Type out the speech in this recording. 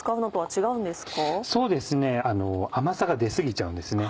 そうですね甘さが出過ぎちゃうんですね。